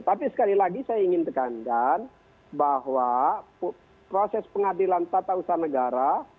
tapi sekali lagi saya ingin tekankan bahwa proses pengadilan tata usaha negara